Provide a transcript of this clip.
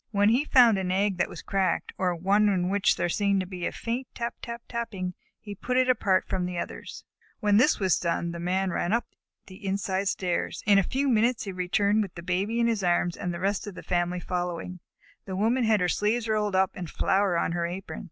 When he found an egg that was cracked, or one in which there seemed to be a faint tap tap tapping, he put it apart from the others. [Illustration: RETURNED WITH THE BABY IN HIS ARMS. Page 37] When this was done, the Man ran up the inside stairs. In a few minutes he returned with the Baby in his arms and the rest of the family following. The Woman had her sleeves rolled up and flour on her apron.